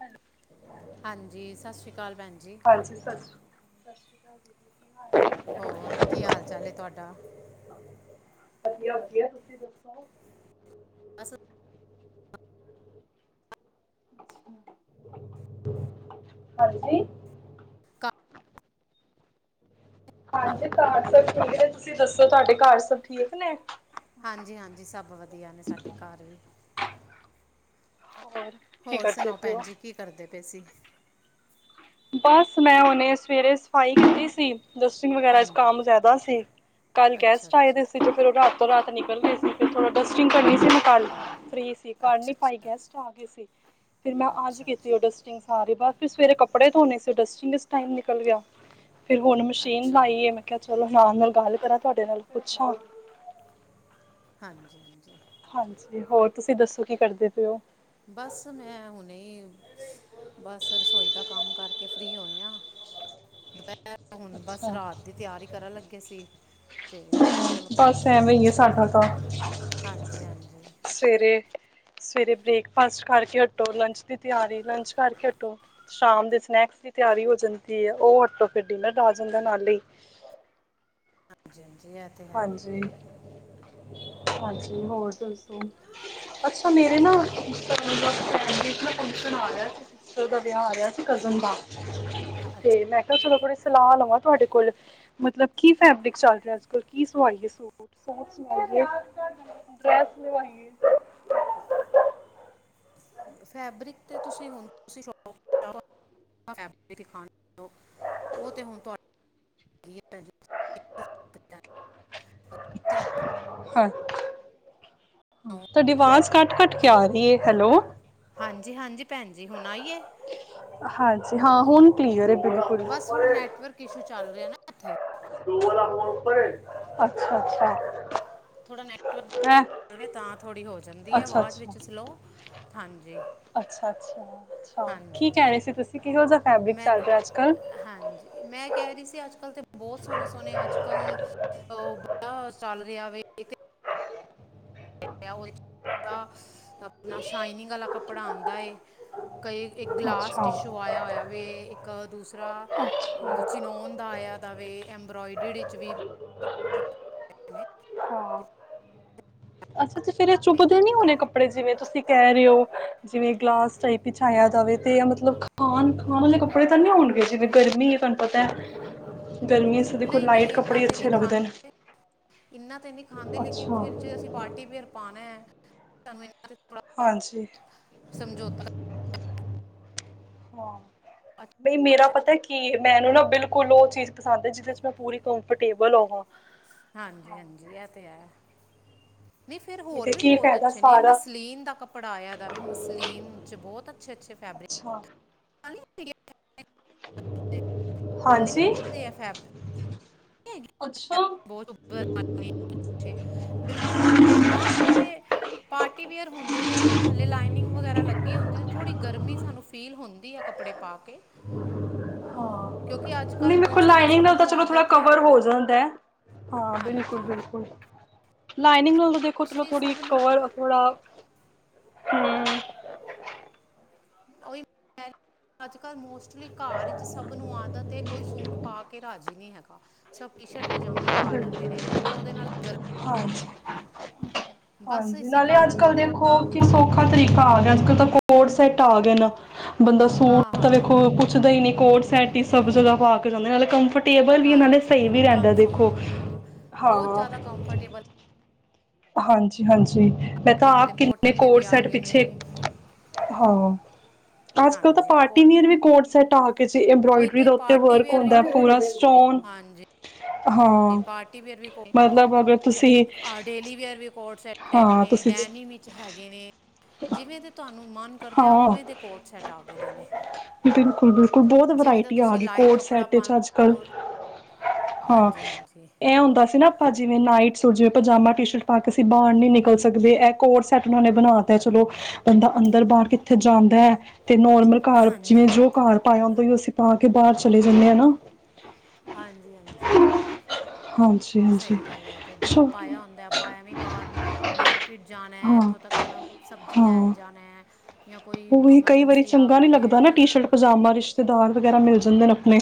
Hello, hello ਹਾਂਜੀ, ਸਤਿ ਸ਼੍ਰੀ ਅਕਾਲ ਭੈਣ ਜੀ ਹਾਂਜੀ, ਸਤਿ ਸ਼੍ਰ ਸਤਿ ਸ਼੍ਰੀ ਅਕਾਲ ਦੀਦੀ ਕੀ ਹਾਲ ਏ ਹੋਰ ਕੀ ਹਾਲ ਚਾਲ ਏ ਤੁਹਾਡਾ। ਵਧੀਆ ਵਧੀਆ ਤੁਸੀਂ ਦੱਸੋ? ਬਸ ਹਾਂਜੀ! ਘ- ਹਾਂਜੀ, ਘਰ ਸਭ ਠੀਕ ਨੇ ਤੁਸੀਂ ਦੱਸੋ ਤੁਹਾਡੇ ਘਰ ਸਭ ਠੀਕ ਨੇ। ਹਾਂਜੀ, ਹਾਂਜੀ ਸਭ ਵਧੀਆ ਨੇ ਸਾਡੇ ਘਰ ਵੀ। ਹੋਰ। ਕੀ ਹੋਰ ਕਰਦੇ ਸੁਣਾਓ ਪਏ ਹੋ ਭੈਣ ਜੀ ਕੀ ਕਰਦੇ ਪਏ ਸੀ? ਬਸ ਮੈਂ ਹੁਣੇ ਸਵੇਰੇ ਸਫ਼ਾਈ ਕੀਤੀ ਸੀ। ਡਸਟਿੰਗ ਵਗੈਰਾ 'ਚ ਹਾਂਜੀ ਕੰਮ ਜ਼ਿਆਦਾ ਸੀ ਕੱਲ੍ਹ ਅੱਛਾ ਗੈਸਟ ਆਏ ਅੱਛਾ ਦੇ ਸੀ ਤੇ ਫਿਰ ਉਹ ਘਰ ਰਾਤ ਨਿਕਲ ਗਏ ਸੀ ਫੇਰ ਥੋੜਾ ਡਸਟਿੰਗ ਕਰਨੀ ਸੀ ਨਾ ਘਰ ਦੀ ਫ੍ਰੀ। ਕਰ ਅੱਛਾ ਨੀ ਪਾਈ ਅੱਛਾ ਗੈਸਟ ਆ ਗਏ ਸੀ ਫਿਰ ਮੈਂ ਅੱਜ ਅੱਛਾ ਕੀਤੀ ਅੱਛਾ ਉਹ ਡਸਟਿੰਗ ਸਾਰੀ ਬਸ ਫੇਰ ਸਵੇਰੇ ਕੱਪੜੇ। ਕੱਪੜੇ ਧੋਣੇ ਸੀ ਡਸਟਿੰਗ ਵਿੱਚ ਟਾਈਮ ਨਿਕਲ ਗਿਆ ਫਿਰ ਹੁਨ ਮਸ਼ੀਨ ਅੱਛਾ ਲਾਈ ਏ ਮੈਂ। ਚਲੋ ਮੈਂ ਕਿਆ ਰਾਮ ਨਾਲ ਗੱਲ ਕਰਾਂ ਤੁਆਡੇ ਨਾਲ ਪੁੱਛਾਂ ਹਾਂਜੀ, ਹਾਂਜੀ ਹਾਂਜੀ ਹੋਰ ਤੁਸੀਂ ਦੱਸੋ ਕੀ ਕਰਦੇ ਪਏ ਓ। ਬਸ ਮੈਂ ਹੁਨੇ ਬਸ ਰਸੋਈ ਦਾ ਕੰਮ ਕਰਕੇ ਫ੍ਰਰੀ ਹੋਏ ਆ ਦੁਪੇਹਰ ਹੁਨ ਬਸ ਅੱਛਾ ਰਾਤ ਦੀ ਤਿਆਰੀ ਕਰਨ ਲੱਗੇ ਸੀ। ਤੇ ਮੈਂ ਕੇਆ ਚਲੋ ਪੈਣ ਬਸ ਜੀ ਨੂੰ ਐਵੇਂ ਹੀ ਹੈ ਪੁੱਛੋ ਸਾਡਾ ਤਾਂ ਹਾਂਜੀ-ਹਾਂਜੀ। ਸਵੇਰੇ-ਸਵੇਰੇ ਬ੍ਰੇਕਫਾਸਟ ਕਰਕੇ ਹਟੋ, ਲੰਚ ਦੀ ਤਿਆਰੀ ਲੰਚ ਕਰਕੇ ਹਟੋ ਸ਼ਾਮ ਦੇ ਸਨੈਕਸ ਦੀ ਤਿਆਰੀ ਹੋ ਜਾਂਦੀ ਏ ਓ ਹਟੋ ਫੇਰ ਡਿਨਰ ਆ ਜਾਂਦਾ ਨਾਲੇ ਈ। ਹਾਂਜੀ, ਹਾਂਜੀ ਐ ਤੇ ਹੈ ਹਾਂਜੀ-ਹਾਂਜੀ ਹੋਰ ਦੱਸੋ। ਅੱਛਾ ਮੇਰੇ ਨਾ ਕਹਿੰਦੀ ਸੀ ਨਾ ਫੰਕਸ਼ਨ ਆ ਰਿਹਾ ਸੀ। ਫੇਰ ਉਦਾ ਵਿਆਹ ਆ ਰੇਆ ਸੀ ਕਜ਼ਨ ਦਾ ਹਾਂ ਅ। ਤੇ ਮੈਂ ਕਿਆ ਚਲੋ ਥੋੜੀ ਸਲਾ ਲਵਾਂ ਤੁਹਾਡੇ ਕੋਲ ਮਤਲਬ ਕੀ ਫੈਬਰਿਕ ਚੱਲ ਰਿਆ ਅੱਜ ਕੱਲ ਕੀ ਸਵਾਈਏ, ਸੂਟ-ਸੂਟ ਸਵਾਈਏ, ਡਰੈਸ ਸਵਾਈਏ ਫੈਬਰਿਕ 'ਤੇ ਤੁਸੀਂ ਹੁਣ [unintelligible] ਤੁਸੀਂ ਸ਼ ਫੈਬਰਿਕ ਓ ਤੇ ਹੁਣ ਤੁਹਾਡੀ [unintelligible] ਹਾਂ। ਹਾਂਜੀ ਤਾਡੀ ਫੈਬਰਿਕ ਆਵਾਜ਼ ਕੱਟ-ਕੱਟ ਕੇ ਪਲੇ ਆ ਰੀ ਏ ਹੈਲੋ। ਹਾਂਜੀ, ਹਾਂਜੀ ਪੈਨ ਜੀ ਹੁਨ ਆਈ ਏ। ਹਾਂਜੀ ਹਾਂ ਹੁਨ ਕਲੀਅਰ ਏ ਪੁਰਾ ਬਸ ਥੋੜਾ ਨੈਟਵਰਕ ਇਸ਼ੂ ਚੱਲ ਰਿਆ ਨਾ। ਇੱਥੇ ਅੱਛਾ-ਅੱਛਾ। ਥੋੜਾ ਨੈਟਵਰਕ [unintelligible] ਤਾਂ ਥੋੜੀ ਹੋ ਜਾਂਦੀ ਏ ਅੱਛਾ ਆਵਾਜ਼ ਅੱਛਾ ਵਿੱਚ ਸਲੋ ਹਾਂਜੀ। ਅੱਛਾ ਅੱਛਾ ਅੱਛਾ ਕੀ ਹਾਂਜੀ ਕੈ ਰੇ ਸੀ ਤੁਸੀਂ ਕਿਹੋ ਜਾ ਫੈਬਰਿਕ ਮੈਂ ਚੱਲ ਰਿਆ ਅੱਜ ਕੱਲ। ਹਾਂਜੀ ਮੈਂ ਕੇ ਰੀ ਸੀ ਅੱਜ-ਕੱਲ ਤਾਂ ਬੋਹਤ ਸੋਹਣੇ-ਸੋਹਣੇ ਅੱਜ-ਕੱਲ ਬੜਾ ਓ ਚੱਲ ਰਿਆ ਵੇ ਇ [unintelligible] ਓ ਜੇੜਾ ਆਪਨਾ ਸ਼ਾਈਨਿੰਗ ਵਾਲਾ ਕੱਪੜਾ ਆਂਦਾ ਏ ਕਈ ਇੱਕ ਗਲਾਸ ਅੱਛਾ ਟਿਸ਼ੂ ਆਇਆ ਹੋਇਆ ਵੇ ਇੱਕ ਦੂਸਰਾ ਅੱਛਾ ਚਿਨੋਨ ਦਾ ਆਇਆਂ ਦਾਵੇ ਐਬ੍ਰੋਇਡਰੀ ਵਿੱਚ ਵੀ ਹਾਂ ਅੱਛਾ ਅੱਛਾ ਫੇਰ ਏ ਨੇ ਚੁੱਭਦੇ ਨੀ ਹੋਣੇ ਕੱਪੜੇ ਜਿਵੇਂ ਤੁਸੀਂ ਕਹੇ ਰਹੇ ਓ। ਜਿਵੇਂ ਗਲਾਸ ਟਾਈਪ ਵਿੱਚ ਆਇਆ ਦਾਵੇ ਤੇ ਮਤਲਬ ਖਾਣ-ਖਾਣ ਆਲੇ ਕੱਪੜੇ ਤਾਂ ਨੀਂ ਹੋਣਗੇ ਜਿਵੇਂ ਗਰਮੀ ਏ ਪਤਾ ਗਰਮੀਆਂ 'ਚ ਦੇਖੋ ਨਈ ਲਾਈਟ ਨਈ ਇਨਾ ਕੱਪੜੇ ਤੇ ਨੀ ਅੱਛੇ ਲੱਗਦੇ ਨੇ ਖਾਂਦੇ ਇਨਾ ਤੇ ਨੀਂ ਖਾਂਦੇ ਲੇਕਿਨ ਅੱਛਾ ਫਿਰ ਜੇ ਅਸੀਂ ਪਾਰਟੀ ਵੀਅਰ ਪਾਨਾ ਸਾਨੂੰ ਇਨਾਂ ਦੇ ਹਾਂਜੀ ਹਾਂ ਅੱਛਾ, ਬਈ ਮੇਰਾ ਪਤਾ ਕੀ ਏ ਮੈਨੂੰ ਨਾ ਬਿਲਕੁਲ ਓ ਚੀਜ਼ ਪਸੰਦ ਏ ਜਿਦੇ 'ਚ ਮੈਂ ਪੂਰੀ ਕੰਫਰਟੇਬਲ ਹੋਵਾਂ ਹਾਂਜੀ ਹਾਂਜੀ ਏ ਤੇ ਐ। ਨਈ ਫੇਰ ਹੋਰ ਤੇ ਵੀ ਕੀ ਬੋਹਤ ਫਾਇਦਾ ਅੱਛੇ ਨੇ ਸਾਰਾ ਮਸਲੀਨ ਦਾ ਕੱਪੜਾ ਆਇਆ ਦਾਵੇ ਮਸਲੀਨ 'ਚ ਬੋਤ ਅੱਛੇ-ਅੱਛੇ ਫੈਬਰਿਕ ਅੱਛਾ [unintelligible] ਇੰਨੇ ਨੀ ਹਾਂਜੀ ਚੁਪਦੇ ਆ ਫੈਬਰਿਕ ਅੱਛਾ ਬਿਲਕੁਲ ਨੀ ਚੁਬਦੇ ਹਾਂ ਥੋੜੇ ਪਾਰਟੀ ਵੀਅਰ ਹੁੰਦੇ ਨੇ ਥੱਲੇ ਲਾਈਨਿੰਗ ਵਗੈਰਾ ਲੱਗੀ ਹੁੰਦੀ ਥੋੜੀ ਗਰਮੀ ਸਾਨੂੰ ਫੀਲ ਹੁੰ ਦੀ ਆ ਕੱਪੜੇ ਪਾ ਕੇ ਕਿਉਂਕਿ ਅੱਜ ਕੱਲ ਮੈਨੂੰ ਵੇਖੋ ਮੋਸਟਲੀ ਲਾਈਨਿੰਗ ਸਭ ਦਾ ਤਾਂ ਨੂੰ ਚਲੋ ਥੋੜਾ ਆਦਤ ਏ ਕਵਰ ਹੋ ਜਾਂਦਾ ਹਾਂ ਬਿਲਕੁਲ, ਹਾਂਜੀ ਬਿਲਕੁਲ ਲਾਈਨਿੰਗ ਨਾਲੋਂ ਦੇਖੋ ਚਲੋ ਮੋਸਟਲੀ ਥੋੜੀ ਸਭ ਨੂੰ ਕਵਰ ਥੋੜਾ, ਹੂੰ। ਓਈ ਐ ਅੱਜ-ਕੱਲ੍ਹ ਮੋਸਟਲੀ ਘਰ ਵਿੱਚ ਸਭ ਨੂੰ ਆਦਤ ਏ, ਕੋਈ ਸੂਟ ਪਾ ਕੇ ਰਾਜੀ ਨੀ ਹੈਗਾ। ਸਭ ਟੀ-ਸ਼ਰਟ, ਪਜਾਮੇ ਪਾ ਲੈਂਦੇ ਨੇ। ਔਰ ਉਹਦੇ ਨਾਲ ਗਰਮੀ ਹਾਂਜੀ ਬਸ ਹਾਂਜੀ ਇਸੇ ਨਾਲੇ ਅੱਜ ਕਾਰਨ ਕੱਲ੍ਹ ਦੇਖੋ ਥੋੜ੍ਹਾ ਕਿ ਸੌਖਾ ਤਰੀਕਾ ਆ ਗਿਆ ਅੱਜ-ਕਲ ਤਾਂ ਕੋਡ-ਸੈਟ ਆ ਗਏ ਨੇ, ਬੰਦਾ ਹਾਂ ਸੂਟ ਤਾਂ ਹਾਂ ਹਾਂ ਵੇਖੋ ਕੋ ਪੁੱਛਦਾ ਨੀ, ਕੋਡ-ਸੈਟ ਈ ਸਭ ਜਗਾ ਪਾ ਕੇ ਜਾਂਦੇ ਨੇ, ਨਾਲੇ ਕੰਫਰਟੇਬਲ ਵੀ ਐ ਨਾਲੇ ਹਾਂਜੀ ਸਹੀ ਵੀ ਰਹਿੰਦਾ ਕੰਫ ਦੇਖੋ। ਹਾਂ ਬਹੁਤ ਹਾਂ ਜ਼ਿਆਦਾ ਕੰਫਰਟੇਬਲ ਹਾਂਜੀ-ਹਾਂਜੀ। ਮੈਂ ਤਾਂ ਨੇ ਹੁਣ ਤੇ ਆਪ ਕਿੰਨੇ ਕੋਟਨ ਦੇ ਵੀ ਆ ਕੋਡ-ਸੈਟ ਗਏ ਪਿੱਛੇ, ਨੇ ਹਾਂ ਅੱਜ-ਕੱਲ੍ਹ ਤਾਂ ਹਾਂਜੀ ਕੋਟ ਪਾਰਟੀਵੀਅਰ ਵੀ ਕੋਡ-ਸੈਟ ਆ ਗੇ ਜੇ, ਉਹੀ ਇੰਬਰੋਇਡਰੀ ਤੇ ਦੇ ਉੱਤੇ ਪਾਰਟੀ ਵਰਕ ਵੇਅਰ ਵੀ ਹੁੰਦਾ ਕੋਟ ਪੂਰਾ ਸਟੋਨ ਹਾਂਜੀ, ਹਾਂ ਪਾਰਟੀਵੀਅਰ ਵੀ ਕੋਡ ਮਤਲਬ ਅਗਰ ਤੁਸੀਂ ਆ ਡੇਲੀ ਵੀਅਰ ਵੀ ਕੋਡ-ਸੈਟ ਹੈਗੇ ਹਾਂ ਨੇ, ਤੁਸੀਂ ਡੈਨੀ ਵਿੱਚ ਹੈਗੇ ਨੇ, ਜਿਵੇਂ ਦੇ ਤੁਹਾਨੂੰ ਮਨ ਕਰਦਾ, ਹਾਂ ਓਵੇਂ ਦੇ ਕੋਡ-ਸੈਟ ਆ ਗਏ ਦੇ ਨੇ। ਬਿਲਕੁਲ-ਬਿਲਕੁਲ ਬਹੁਤ ਜਿਵੇਂ ਦਾ ਵਰਾਇਟੀ ਆ ਤੁਸੀਂ ਗਈ, ਕੋਡ-ਸੈਟ ਚ ਅੱਜ-ਕੱਲ੍ਹ। ਹਾਂਜੀ-ਹਾਂਜੀ। ਐਹ ਹੁੰਦਾ ਸੀ ਨਾ ਆਪਾਂ, ਜਿਵੇਂ-ਨਾਈਟ ਸੂਟ ਜਿਵੇਂ ਪਜਾਮਾ, ਟੀ-ਸ਼ਰਟ ਪਾ ਕੇ ਅਸੀਂ ਬਾਹਰ ਨੀ ਨਿਕਲ ਸਕਦੇ ਐ ਕੋਡ-ਸੈਟ ਨੂੰ ਓਨੇ ਬਣਾ ਤਾ ਚਲੋ ਬੰਦਾ ਅੰਦਰ -ਬਾਹਰ ਕਿੱਥੇ ਜਾਂਦਾ ਐ ਤੇ ਨੋਰਮਲ ਘਰ ਚ ਵੀ ਹਾਂਜੀ ਜੋ ਹਾਂਜੀ ਘਰ ਪਾਉਣ ਦੇ ਅਸੀਂ ਪਾ ਕੇ ਬਾਹਰ ਚਲੇ ਜਾਨੇ ਆ ਨਾ। ਹਾਂਜੀ-ਹਾਂਜੀ‌। ਹਾਂਜੀ ਹਾਂਜੀ ਸਹੀ ਗੱਲ ਐ, ਤੇ ਜੋ ਚਲੋ ਪਾਇਆ ਹੁੰਦਾ ਆਪਾਂ ਐਵੀ ਬਾਹਰ ਮਾਰਕਿਟ ਜਾਣਾ, ਹਾਂ ਇੱਥੋਂ ਤਕਨ ਸਬਜ਼ੀ ਲੈਣ ਹਾਂ ਜਾਣੈ ਜਾਂ ਕੋਈ ਉਹੀ ਕਈ ਵਾਰੀ ਅਮਰਜਸੀ ਆ ਚੰਗਾ ਨਹੀਂ ਗਈ ਲੱਗਦਾ ਨਾ ਐ ਟੀ-ਸ਼ਰਟ ਪਜਾਮਾ ਰਿਸ਼ਤੇਦਾਰ ਵਗੈਰਾ ਮਿਲ ਜਾਂਦੇ ਨੇ ਆਪਣੇ।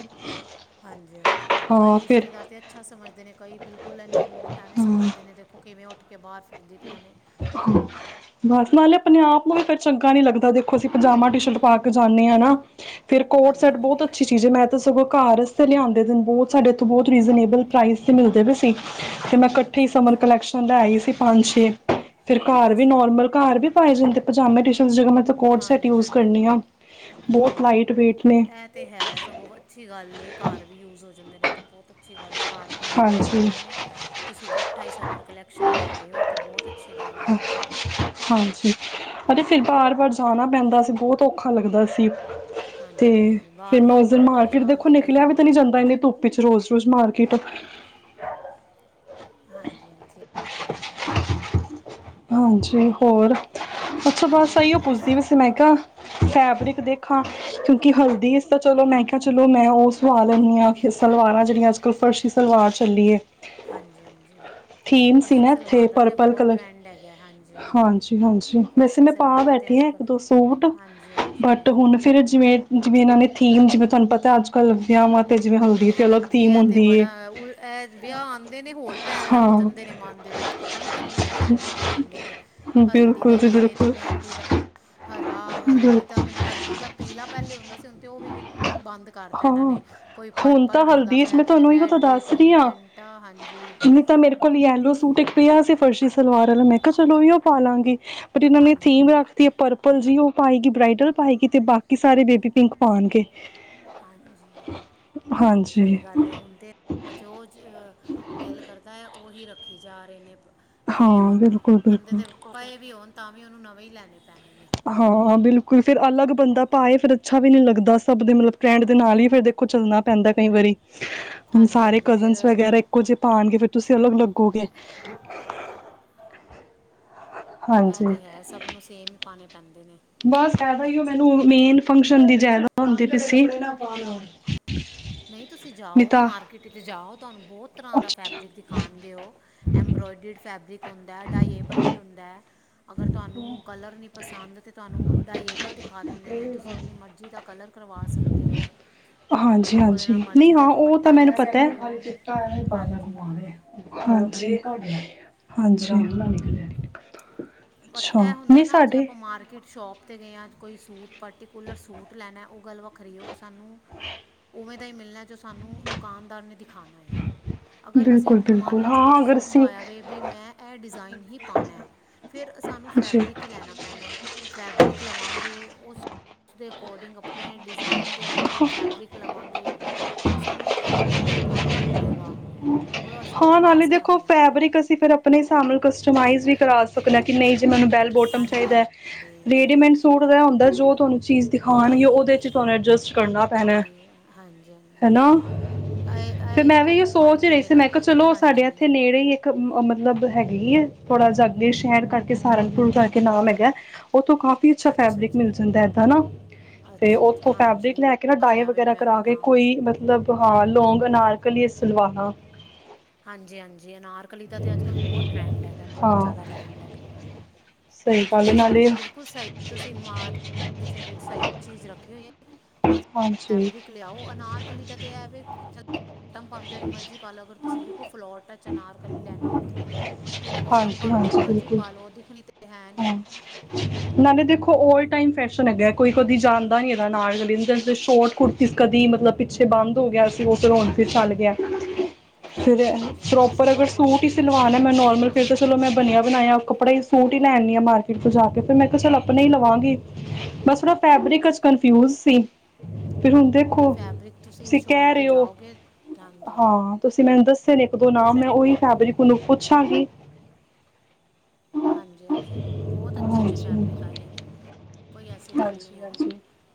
ਹਾਂਜੀ-ਹਾਂਜੀ ਕਈ ਹਾਂ ਫਿਰ ਰਿਸ਼ਤੇਦਾਰ ਤੇ ਅੱਛਾ ਸਮਝਦੇ ਨੇ ਕਈ ਬਿਲਕੁਲ ਇਹਨਾਂ ਨੂੰ ਐਵੇਂ ਹਾਂ ਸਮਝਦੇ ਨੇ ਦੇਖੋ ਕਿਵੇਂ ਉੱਠ ਕੇ ਬਾਹਰ ਫਿਰਦੀ ਪਿਆ ਨੇ [inaudible] ਬਸ ਨਾਲੇ ਆਪਣੇ ਆਪ ਨੂੰ ਵੀ ਫੇਰ ਚੰਗਾ ਨੀ ਲੱਗਦਾ, ਦੇਖੋ ਅਸੀਂ ਪਜਾਮਾ ਟੀ-ਸ਼ਰਟ ਪਾ ਕੇ ਜਾਨੇ ਆ ਨਾ ਫੇਰ ਕੋਡ-ਸੈਟ ਹਾਂਜੀ ਬਹੁਤ ਹਾਂਜੀ ਅੱਛੀ ਚੀਜ਼ ਏ, ਮੈਂ ਤਾਂ ਸਗੋਂ ਘਰ ਆਸਤੇ ਲਿਆਂਦੇ ਦੇ ਨੇ, ਬਹੁਤ ਸਾਡੇ ਇੱਥੋਂ ਬਹੁਤ ਰੀਜ਼ਨੇਬਲ ਪ੍ਰਾਈਜ਼ ਤੇ ਮਿਲਦੇ ਵੇ ਸੀ‌। ਤੇ ਮੈਂ ਕੱਠੇ ਹੀ ਅੱਛਾ ਸਮਰ ਅੱਛਾ ਕਲੈਕਸ਼ਨ ਲੈ ਆਈ ਸੀ ਪੰਜ-ਛੇ। ਫੇਰ ਘਰ ਵੀ ਅੱਛਾ ਨੋਰਮਲ, ਘਰ ਵੀ ਪਾਏ ਜਾਂਦੇ ਪਜਾਮੇ ਟੀ-ਸ਼ਰਟ ਜਗ੍ਹਾ ਮੈ ਤਾਂ ਕੋਡ-ਸੈਟ ਹਾਂਜੀ ਯੂਜ ਕਰਨੀ ਹਾਂਜੀ ਆ, ਬਹੁਤ ਲਾਈਟ ਵੇਟ ਨੇ। ਓ ਤੇ ਹੈ, ਸਗੋਂ ਅੱਛੀ ਗੱਲ ਏ, ਘਰ ਵੀ ਯੂਜ ਹੋ ਜਾਂਦੇ ਨੇ ਤੇ ਬਹੁਤ ਅੱਛੀ ਗੱਲ ਏ। ਘਰ-ਬਾਰ ਯੂਜ ਹੋ ਹਾਂਜੀ ਜਾਂਦੇ ਨੇ, ਤੁਸੀਂ ਇਕੱਠਾ ਹੀ ਸਮਰ ਕਲੈਕਸ਼ਨ ਲੈ ਏ ਹੋ ਤੇ ਬਹੁ [inaudible] ਹਾਂਜੀ, ਪਤਾ ਫੇਰ ਬਾਰ-ਬਾਰ ਜਾਣਾ ਪੈਂਦਾ ਸੀ, ਬਹੁਤ ਔਖਾ ਲੱਗਦਾ ਸੀ। ਹਾਂਜੀ ਤੇ ਹਾਂਜੀ ਫੇਰ ਵਾਰ ਮੈਂ ਵਾਰ ਉਸ ਦਿਨ ਮਾਰਕੀਟ ਜਾਣ ਦੇਖੋ ਨਿਕਲਿਆ ਵੀ ਤੇ ਨੀ ਬੰਦਾ ਜਾਂਦਾ ਏਨੀ ਧੁੱ ਪ ਵਿੱਚ ਰੋਜ਼-ਰੋਜ਼ ਮਾਰਕਿਟ। ਹਾਂਜੀ-ਹਾਂਜੀ। ਹਾਂਜੀ। ਹੋਰ, ਅੱਛਾ ਬਸ ਹੋਰ ਇਹੀਓ ਬਸ ਪੁੱਛਦੀ ਪੀ ਸੀ ਮੈਂ ਕਿਹਾ ਫੈਬਰਿਕ ਦੇਖਾ। ਕਿਉਂਕਿ ਹਲਦੀ ਵਿਚ ਤੇ ਚਲੋ ਮੈਂ ਕਿਹਾ ਚਲੋ ਮੈਂ ਉਹ ਸਵਾ ਲੈਣੀ ਆ ਸਲਵਾਰਾਂ ਜਿਹੜੀਆਂ ਅੱਜ ਕੱਲ ਫਰਸ਼ੀ ਸਲਵਾਰ ਚੱਲੀ ਏ। ਹਾਂਜੀ-ਹਾਂਜੀ। ਥੀਮ ਸੀ ਨਾ ਇੱਥੇ ਪਰਪਲ ਕਲਰ, ਟਰੈਂਡ ਹੈਗਾ ਹਾਂਜੀ ਹਾਂਜੀ ਹਾਂਜੀ-ਹਾਂਜੀ। ਵੈਸੇ ਫਰਸ਼ੀ ਮੈਂ ਪਾ ਸਲਵਾਰ ਦਾ ਤਾਂ ਬੈਠੀ ਅੱਜ ਆ ਕੱਲ੍ਹ ਇੱਕ-ਦੋ ਸੂਟ ਹਾਂਜੀ ਬਟ ਹਾਂਜੀ ਹੁਣ ਫੇਰ ਜਿਵੇਂ, ਜਿਵੇਂ ਇਹਨਾਂ ਨੇ ਥੀਮ ਜਿਵੇਂ ਤੁਹਾਨੂੰ ਪਤਾ ਅੱਜ-ਕੱਲ੍ਹ ਵਿਆਹਵਾਂ ਤੇ ਜਿਵੇਂ ਹਲਦੀ ਤੇ ਅਲਗ ਥੀਮ ਹੁੰਦੀ ਏ। ਐਹ ਵਿਆਹ ਆਉਂਦੇ ਨੇ ਹੋਰ ਪੈਣ ਲੱਗ ਹਾਂ ਜਾਂਦੇ ਨੇ ਮਨ ਦੇ ਵਿੱਚ ਪਤਾ ਨੀ ਕਿੰਨੇ ਥੀਮ ਰੱਖ ਦਿੰਦੇ ਨੇ। ਹਲਦੀ ਦਾ ਬਿਲਕੁਲ ਜੀ ਯੇ ਤੇ ਬਿਲਕੁਲ ਮਹਿੰਦੀ ਦਾ ਹਰਾ ਹਲਦੀ ਦਾ ਬਿਲਕੁਲ ਹੁਣ ਹਲਦੀ ਦਾ ਪੀਲਾ ਪਹਿਲੇ ਹੁੰਦਾ ਸੀ, ਹੁਣ ਤੇ ਉਹ ਵੀ ਬੰਦ ਕਰਤਾ ਹਾਂ ਇਹਨਾਂ ਨੇ ਕੋਈ ਹੁਣ ਤਾਂ ਪਰਪਲ ਰੱਖਦਾ ਹਲਦੀ ਇਸ ਪਿਆ, ਮੈਂ ਕੋਈ ਤੁਹਾਨੂੰ ਹੀ ਤਾਂ ਰੈਡ ਕੋਈ ਮਜੰਟਾ ਹਾਂਜੀ। ਤੇ ਮੇਰੇ ਕੋਲ ਯੈਲੋ ਸੂਟ ਇੱਕ ਪਿਆ ਸੀ ਫਰਸ਼ੀ ਸਲਵਾਰ ਵਾਲਾ ਮੈਂ ਕਿਹਾ ਚਲੋ ਉਹੀਓ ਪਾਲਾਂਗੀ। ਪਰ ਇਹਨਾਂ ਨੇ ਹਾਂਜੀ ਥੀਮ ਰੱਖ ਤੇ ਪਰਪਲ ਜੀ ਉਹ ਪਾਏਗੀ ਬਰਾਈਡਲ ਪਾਏਗੀ, ਤੇ ਬਾਕੀ ਸਾਰੇ ਬੇਬੀ ਪਿੰਕ ਪਾਉਣਗੇ। ਹਾਂਜੀ ਸਹੀ ਹਾਂਜੀ ਗੱਲ ਹੈ, ਹੁਣ ਤੇ ਜੋ ਦਿਲ ਕਰਦਾ ਦਾ ਹੈ ਉਹੀ ਰੱਖੀ ਜਾ ਰਹੇ ਨੇ ਬ ਹਾਂ ਥੀਮ ਬਿਲਕੁਲ ਬੰਦੇ ਬਿਲਕੁਲ ਦੇ ਪਏ ਵੀ ਹੋਣ ਤਾਂ ਵੀ ਉਹਨੂੰ ਨਵੇਂ ਲੈਣੇ ਪੈਣੇ ਨੇ। ਹਾਂ ਬਿਲਕੁਲ ਫਿਰ ਅਲੱਗ ਬੰਦਾ ਪਾਏ, ਫੇਰ ਅੱਛਾ ਵੀ ਨੀ ਲੱਗਦਾ ਸਭ ਦੇ ਮਤਲਬ ਟ੍ਰੈਂਡ ਦੇ ਨਾਲ ਹੀ ਫਿਰ ਦੇਖ ਕੁਛ ਚੱਲਣਾ ਪੈਂਦਾ ਕਈ ਵਾਰੀ, ਹੁਣ ਹਾਂਜੀ ਸਾਰੇ ਹਾਂਜੀ ਕਜ਼ਨ ਫਿਰ ਵਗੈਰਾ ਇਹ ਕੁਝ ਪਾਉਣਗੇ ਫੇਰ ਤੁਸੀਂ ਅਲੱਗ ਲੱਗੋਗੇ। ਐਹ ਹਾਂਜੀ ਤੇ ਹੈ ਸਭ ਨੂੰ ਸੇਮ ਹੀ ਪਾਉਣੇ ਪੈਂਦੇ ਨੇ। ਬਸ ਏਹੋ ਹੀ ਮੈਨੂੰ ਮੇਨ ਫੰਕਸ਼ਨ ਦੀ ਜਿਆਦਾ ਹੁੰਦੀ ਪਈ ਸੀ ਨਹੀਂ ਤੁਸੀਂ ਨਹੀਂ ਜਾਓ, ਤਾਂ ਮਾਰਕੀਟ 'ਚ ਜਾਓ। ਤੁਹਾਨੂੰ ਬਹੁਤ ਤਰ੍ਹਾਂ ਦਾ ਅੱਛਾ ਫੈਬਰਿਕ ਦਿਖਾਉਣਗੇ ਓ ਐਬਰੋਇਡਡ ਫੈਬਰਿਕ ਹੁੰਦਾ ਡਾਇਏਬਲ ਵੀ ਹੁੰਦਾ ਅਗਰ ਤੁਹਾਨੂੰ ਕਲਰ ਨਹੀਂ ਪਸੰਦ ਤੇ ਤੁਹਾਨੂੰ ਡਾਈਏਬਲ ਦਿਖਾ ਦਿੰਦੇ ਨੇ ਤੁਸੀਂ ਆਪਣੀ ਮਰਜ਼ੀ ਦਾ ਕਲਰ ਕਰਵਾ ਸਕ। ਦੇ ਓ। ਹਾਂਜੀ, ਹਾਂਜੀ ਨਹੀਂ ਹਾਂ ਉਹ ਤੇ ਦੁਪੱਟਾ ਲੈ ਮੈਨੂੰ ਪਤਾ ਸਕਦੇ ਹੈ। ਹੋ ਹਾਂਜੀ ਹਾਂਜੀ, ਹਾਂਜੀ ਪਤ ਅੱਛਾ ਐਹ ਹੁੰਦਾ ਨਹੀਂ ਨਾ ਜੇ ਸਾਡੇ ਆਪਾਂ ਮਾਰਕੀਟ ਸ਼ੋਪ ਤੇ ਗਏ ਆ ਕੋਈ ਸੂਟ ਪਰਟੀਕੂਲਰ ਸੂਟ ਲੈਣਾ ਉਹ ਗੱਲ ਵੱਖਰੀ ਹੈ ਉਹ ਸਾਨੂੰ ਉਵੇਂ ਦਾ ਹੀ ਮਿਲਣਾ ਜੋ ਸਾਨੂੰ ਦੁਕਾਨਦਾਰ ਨੇ ਦਿਖਾਣਾ ਏ ਅਗਰ ਅਸੀਂ ਬਿਲਕੁਲ ਆਪਣੇ ਮਨ ਬਿਲਕੁਲ ਵਿੱਚ ਹਾਂ ਕੁਛ ਅਗਰ ਸੋਚਿਆ ਅਸੀਂ ਹੋਇਆ ਵੇ ਵੀ ਮੈਂ ਐਹ ਡਿਜ਼ਾਇਨ ਹੀ ਪਾਉਣਾ ਹੈ। ਫਿਰ ਸਾਨੂੰ ਜੀ ਫੈਬਰਿਕ ਹੀ ਲੈਣਾ ਪੈਣਾ। ਫੈਬਰਿਕ ਲਵਾਂਗੇ ਉਸ ਦੇ ਅਕੋਰਡਿੰਗ ਨਯੇ ਡਿਜ਼ਾਇਨ ਦੇ ਅਕੋਡਿੰਗ ਫੈਬਰਿਕ ਲਵਾਂਗੇ ਉਹ ਸਾਨੂੰ ਅਪਣੇ ਮਤਲਬ ਦਾ ਮਿਲੇਗਾ, ਉਹ ਅਸੀਂ ਉਹ ਹਾਂ ਪਾ ਨਾਲੇ ਦੇਖੋ ਸਕਦੇ ਹਾਂ। ਫੈਬਰਿਕ ਅਸੀਂ ਫੇਰ ਆਪਣੇ ਹਿਸਾਬ ਨਾਲ ਕਸਟਮਾਈਜ਼ ਵੀ ਕਰਾ ਸਕਦੇ ਕਿ ਨਹੀਂ ਜੇ ਮੈਨੂੰ ਬੈਲ ਬੋਟਮ ਹਾਂਜੀ ਹਾਂਜੀ ਚਾਹੀਦਾ। ਰੇਡੀਮੇਡ ਸੂਟ ਦਾ ਹੁੰਦਾ ਜੋ ਤੁਹਾਨੂੰ ਚੀਜ਼ ਦਿਖਾਉਣਗੇ ਉਹਦੇ 'ਚ ਤੁਹਾਨੂੰ ਐਡਜਸਟ ਕਰਨਾ ਪੈਣਾ। ਹਾਂਜੀ ਹਾਂਜੀ, ਹਾਂਜੀ। ਹਨਾ ਇਹ ਫਿਰ ਮੈਂ ਵੀ ਇਹ ਇਹੀ ਸੋਚ ਪੁਆਇੰਟ ਹੀ ਹੈ ਰਹੀ ਸੀ ਮੇਰਾ ਮੈਂ ਵੀ ਕਿਹਾ ਚਲੋ ਸਾਡੇ ਹਾਂਜੀ ਇੱਥੇ ਨੇੜੇ ਹੀ ਕ ਮਤਲਬ ਹੈਗੀ ਏ, ਥੋੜ੍ਹਾ ਜਿਹਾ ਅੱਗੇ ਸ਼ਹਿਰ ਕਰਕੇ ਸਹਾਰਨਪੁਰ ਕਰਕੇ ਨਾਮ ਹੈਗਾ ਉੱਥੋਂ ਕਾਫ਼ੀ ਅੱਛਾ ਫੈਬਰਿਕ ਮਿਲ ਜਾਂਦਾ ਐਦਾਂ ਨਾ, ਅੱਛਾ ਤੇ ਅੱਛਾ ਔ ਉਹ ਫੈਬਰਿਕ ਹਾਂਜੀ ਲੈ ਕੇ ਨਾ ਡਾਏ ਹੋਇਆ ਵੇ ਵਗੈਰਾ ਮੈਂ ਵੀ ਕਰਾ ਕੇ ਕੋਈ ਨਾਮ ਕੀ ਮਤਲਬ ਹਾਂ ਲੌਂਗ ਅਨਾਰਕਲੀਏ ਸਲਵਾਰਾਂ। ਹਾਂਜੀ, ਹਾਂਜੀ ਅਨਾਰਕਲੀ ਦਾ ਤਾਂ ਅੱਜ -ਕੱਲ ਬਹੁਤ ਟਰੈਂਡ ਹੈਗਾ ਬਹੁਤ ਹਾਂ ਜ਼ਿਆਦਾ ਟਰੈਂਡ ਹੈਗਾ। ਸਹੀ ਹਾਂਜੀ, ਗੱਲ ਤੁਸੀਂ ਨਾਲੇ ਸੋਚੋ ਬਿਲਕੁਲ ਸਈ ਤੁਸੀਂ ਮਾਂ [unintelligible] ਸਈ ਚੀਜ ਰੱਖੀ ਹੋਈ ਏ। ਬਸ ਹਾਂਜੀ ਫੈਬਰਿਕ ਲਿਆਓ ਅਨਾਰਕਲੀ ਦਾ ਤੇ ਐ ਵੇ ਇਕਦਮ ਭਾਵੇਂ ਜੇੜੀ ਮਰਜ਼ੀ ਪਾ ਲਓ ਅ ਤੁਸੀਂ ਬਿਲਕੁਲ ਫਲੋਟ ਟਚ ਅਨਾਰਕਲੀ ਲੈਣੀ ਏ ਤੇ ਥੱਲੇ ਬੋਟਮ ਹਾਂਜੀ ਭਾਵੇਂ ਜੋ ਹਾਂਜੀ ਮਰਜੀ ਬਿਲਕੁਲ ਪਾਲੋ, ਦਿਖਣੀ ਤੇ ਹੈ ਨੀ। ਹਾਂ ਨਾਲੇ ਦੇਖੋ ਔਲ ਟਾਈਮ ਫੈਸ਼ਨ ਹੈਗਾ, ਕੋਈ ਕਦੀ ਜਾਣਦਾ ਨੀ ਹੈਗਾ ਅਨਾਰ [unintelligible] ਸ਼ੋਰਟ ਕੁੁਰਤੀ ਕਦੀ ਮਤਲਬ ਪਿੱਛੇ ਬੰਦ ਹੋ ਗਿਆ ਸੀ, ਓ ਫੇਰ ਹੁਣ ਫੇਰ ਚੱਲ ਗੇਆ। ਫਿਰ ਹਾਂਜੀ ਹਾਂਜੀ ਹੁਣ ਤੇ ਪ੍ਰੋਪਰ ਅਗਰ ਸ਼ਾਰਟ ਬੜੀ ਸੂਟ ਈ ਸਿਲਵਾਨੈ, ਟਰੈਂਡ ਮੈਂ ਵਿੱਚ ਹੈ ਨੋਰਮਲ ਫਿਰ ਦ ਚਲੋ ਮੈਂ ਬਣਿਆ ਬਣਾਇਆ ਕੱਪੜਾ ਹੀ ਸੂਟ ਹੀ ਲੈਨੀਂ ਆਂ ਮਾਰਕੀਟ ਤੋਂ ਜਾ ਕੇ ਫੇਰ ਮੈਂ ਕੇਯਾ ਚਲ ਅਪਨਾ ਈ ਲਵਾਂਗੀ। ਬਸ, ਨਾਂ ਫੈਬਰਿਕ ਚ ਕਨਫਿਊਜ ਸੀ। ਫਿਰ ਹੁਨ ਨਹੀਂ ਦੇਖੋ, ਫੈਬਰਿਕ ਤੁਸੀਂ ਸ਼ੋਪ ਕੈ 'ਤੇ ਰੇਓ ਜਾਓਗੇ ਹਾਂਜੀ ਹਾਂ, ਤੁਸੀਂ ਮੈਨੂੰ ਦੱਸ ਤੇ ਲਿਖ ਦੋਨਾਂ, ਸਰ ਮੈਂ ਇੱਕ ਓਈ ਦੋ ਫੈਬਰਿਕ ਓਨੂੰ ਪੁੱਛਾਂਗੀ। ਹਾਂਜੀ-ਹਾਂਜੀ ਬੋਤ ਅੱਛੇ-ਅੱਛੇ ਹਾਂਜੀ ਫੈਬਰਿਕ ਆਏਦੇ ਨੇ, ਕੋਈ ਐਸੀ ਗੱਲ ਹਾਂਜੀ ਨੀਂ ਐ। ਹਾਂਜੀ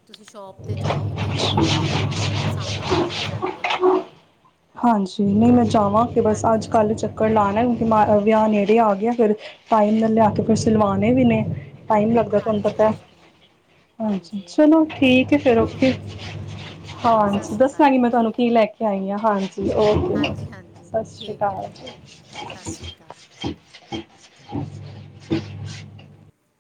ਤੁਸੀਂ ਸ਼ੋਪ 'ਤੇ ਜਾਓ ਦੇਖੋ, ਤੁਆਨੂੰ ਆਪੇ ਪਸੰਦ ਆ ਜਾਏਗਾ ਫੈਬਰਿਕ। ਜੀ ਮੈਂ ਜਾਵਾਂਗੀ ਬਸ, ਹਾਂਜੀ ਅੱਜ-ਕੱਲ ਹਾਂਜੀ ਚ। ਕੱਰ ਲਾਣਾ ਕਿਉਂਕਿ ਮ ਵਿਆਹ ਨੇੜੇ ਆ ਗਿਆ ਫੇਰ, ਟਾਈਮ ਨਾਲ ਲਿਆ ਕੇ ਫੇਰ ਸੀਲਵਾਣੇ ਵੀਨੇ। ਟਾਈਮ ਲੱਗਦਾ ਤੁਆਨੂੰ ਹਾਂਜੀ ਪਤੈ, ਹਾਂਜੀ ਭੈਣ ਜੀ ਹਾਂਜੀ ਇਹ ਤਾਂ ਚਲੋ ਹੈ ਠੀਕ ਐ। ਫੇਰ ਚਲੋ ਓਕੇ ਹਾਂਜੀ ਭੈਣ ਜੀ ਸਤਿ ਹਾਂਜੀ, ਸ਼੍ਰੀ ਅਕਾਲ ਦੱਸਾਂਗੀ ਮੈਂ ਭੈਣ ਜੀ ਤੁਆਂਨੂੰ ਕੀ ਲੈ ਕੇ ਆਈ ਆਂ, ਹਾਂਜੀ। ਓਕੇ ਹਾਂਜੀ ਹਾਂਜੀ ਸਸ਼੍ਰੀ ਠੀਕ ਹੈ ਕਾਲ। ਭੈਣ ਜੀ ਸਤਿ ਸ਼੍ਰੀ ਅਕਾਲ [inaudible]